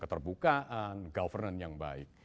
keterbukaan governance yang baik